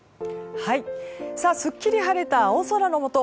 すっきり晴れた青空のもと